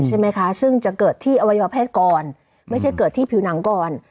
ใช่ไหมคะซึ่งจะเกิดที่อวัยวเพศก่อนไม่ใช่เกิดที่ผิวหนังก่อน